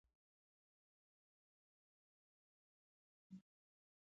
یا به یې د مقتول بې وسه وارثینو ته ورسپاره.